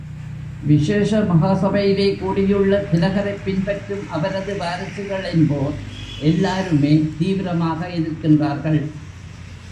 விசேஷ மகா சபையிலே கூடியுள்ள திலகரைப் பின்பற்றும் அவரது வாரிசுகள் என்போர் எல்லாருமே தீவிரமாக எதிர்க்கின்றார்கள்.